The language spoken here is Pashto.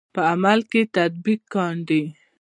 په عمل کې یې تطبیق کاندئ.